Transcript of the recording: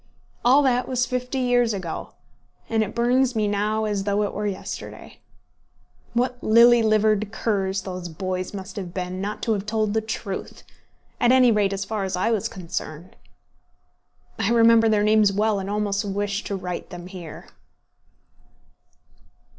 All that was fifty years ago, and it burns me now as though it were yesterday. What lily livered curs those boys must have been not to have told the truth! at any rate as far as I was concerned. I remember their names well, and almost wish to write them here.